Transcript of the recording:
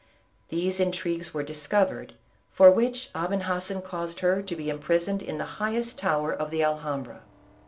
These intrigues were discovered, for which Aben Hassen caused her to be imprisoned in the highest tower of the Alhambra.